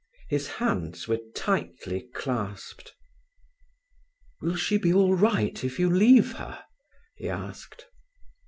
His hands were tightly clasped. "Will she be all right if you leave her?" he asked.